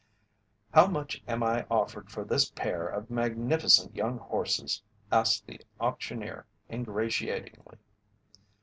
"How much am I offered for this pair of magnificent young horses?" asked the auctioneer, ingratiatingly.